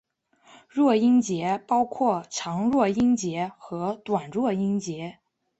弱音节包括长弱音节和短弱音节。